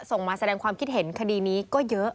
มาแสดงความคิดเห็นคดีนี้ก็เยอะ